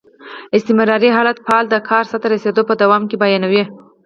استمراري حال فعل د کار سرته رسېدل په دوام کې بیانیوي.